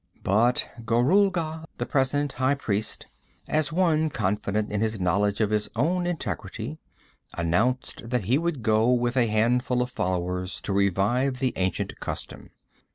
But Gorulga, the present high priest, as one confident in his knowledge of his own integrity, announced that he would go with a handful of followers to revive the ancient custom.